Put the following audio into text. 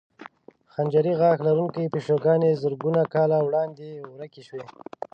خنجري غاښ لرونکې پیشوګانې زرګونو کاله وړاندې ورکې شوې.